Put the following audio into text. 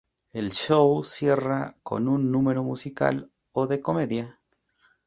El show cierra con un número musical o de comedia.